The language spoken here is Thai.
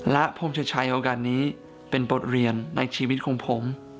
และผมจะใช้โอกาสนี้เป็นบทเรียนในชีวิตของผม